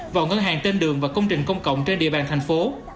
vào ngân hàng tên đường và công trình công cộng trên địa bàn thành phố